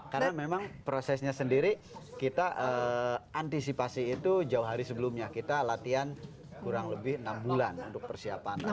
karena memang prosesnya sendiri kita antisipasi itu jauh hari sebelumnya kita latihan kurang lebih enam bulan untuk persiapan